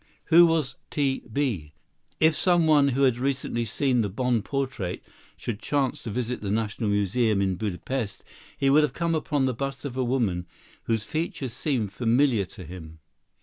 Who was "T. B."? If some one who had recently seen the Bonn portrait should chance to visit the National Museum in Budapest, he would come upon the bust of a woman whose features seemed familiar to him.